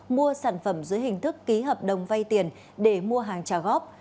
mua sản phẩm dưới hình thức ký hợp đồng vay tiền để mua hàng trả góp